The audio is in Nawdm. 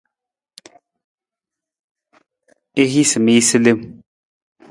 I hiisa mi jasa lem.